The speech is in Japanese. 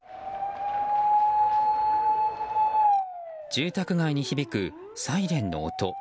住宅街に響くサイレンの音。